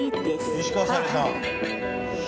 石川さゆりさん。